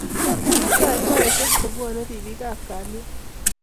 Inget Kimutai saishek che bwoni ribiik ab kalyet